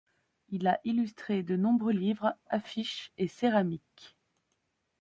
Il a illustré de nombreux livres, affiches et céramiques.